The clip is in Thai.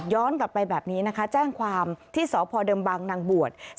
ย้อนกลับไปแบบนี้นะคะแจ้งความที่สพบนบ